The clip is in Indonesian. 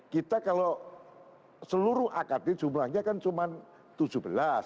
kita kalau seluruh akb jumlahnya kan cuma tujuh belas